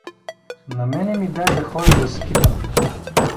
На мене ми дай да ходя да скитам.